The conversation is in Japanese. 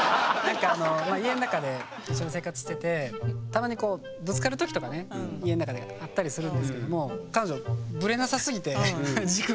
家の中で一緒に生活しててたまにこうぶつかる時とかね家の中であったりするんですけども彼女ブレなさすぎて軸が。